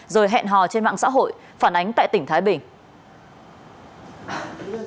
rồi hẹn hò trên mạng xã hội phản ánh tại tỉnh thái bình